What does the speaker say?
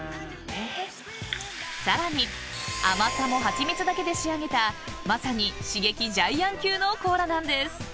［さらに甘さもハチミツだけで仕上げたまさに刺激ジャイアン級のコーラなんです］